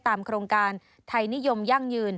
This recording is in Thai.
โครงการไทยนิยมยั่งยืน